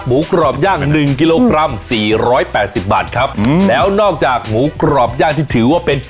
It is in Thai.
หมูกรอบย่าง๑กิโลกรัม๔๘๐บาทครับแล้วนอกจากหมูกรอบย่างที่ถือว่าเป็น